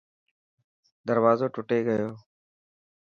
دروازو ٽٽي گيو.